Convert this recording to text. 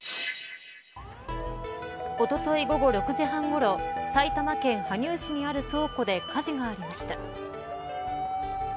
おととい午後６時半ごろ埼玉県羽生市にある倉庫で火事がありました。